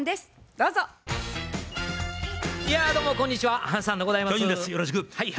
どうもこんにちは。